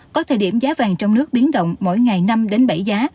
có thời điểm giá vàng trong nước biến động mỗi ngày năm đến bảy giá